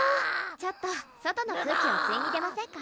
ちょっと外の空気をすいに出ませんか？